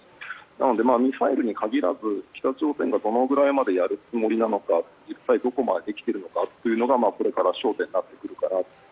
なので、ミサイルに限らず北朝鮮がどのくらいまでやるつもりなのか実際どこまでできているのかというのがこれから焦点になってくるかなと。